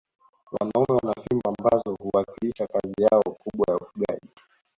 Wanaume wana fimbo ambazo huwakilisha kazi yao kubwa ya ufugaji